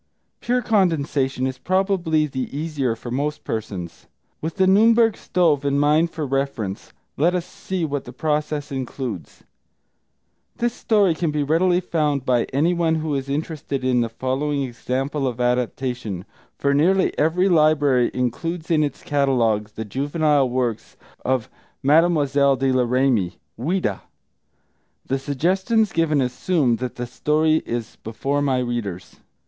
Pure condensation is probably the easier for most persons. With The Nürnberg Stove in mind for reference, let us see what the process includes. This story can be readily found by anyone who is interested in the following example of adaptation, for nearly every library includes in its catalogue the juvenile works of Mlle. de la Ramée (Ouida). The suggestions given assume that the story is before my readers.